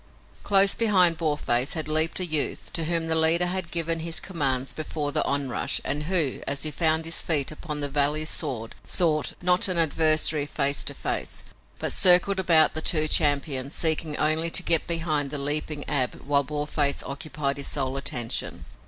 Close behind Boarface had leaped a youth to whom the leader had given his commands before the onrush and who, as he found his feet upon the valley's sward, sought, not an adversary face to face, but circled about the two champions, seeking only to get behind the leaping Ab while Boarface occupied his sole attention.